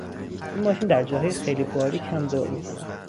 این ماشین در جاهای خیلی باریک هم دور میزند.